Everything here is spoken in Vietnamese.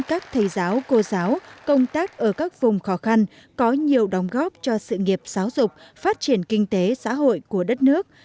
các thầy giáo cô giáo công tác ở các vùng khó khăn có nhiều đóng góp cho sự nghiệp giáo dục phát triển kinh tế xã hội của đất nước